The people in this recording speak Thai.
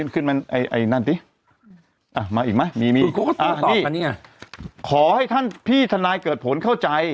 ขึ้นมันไอไอนั่นติอ่ะมาอีกมั้ยมีมีอ่ะนี่ขอให้ท่านพี่ธนายเกิดผลเข้าใจ